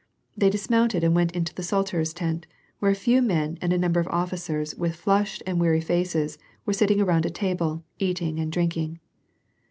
They dismounted and went into the sutler's tent, where a few men and a number of officers with flushed and weary faces were sitting around a table, eating and drinking.